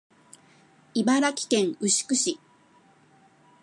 茨城県牛久市